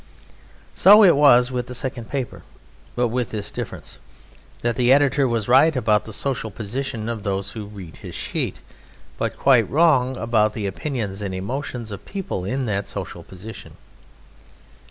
So it was with the second paper, but with this difference, that the editor was right about the social position of those who read his sheet, but quite wrong about the opinions and emotions of people in that social position.